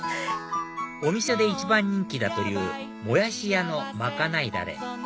お店で一番人気だというもやし屋のまかないダレ